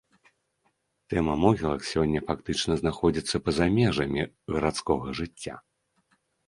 Тэма могілак сёння фактычна знаходзіцца па-за межамі гарадскога жыцця.